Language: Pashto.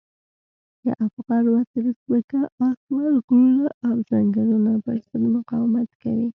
د افغان وطن ځمکه، اسمان، غرونه او ځنګلونه پر ضد مقاومت کوي.